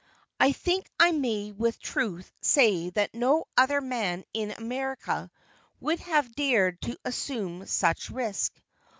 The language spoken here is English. I think I may with truth say that no other man in America would have dared to assume such risk.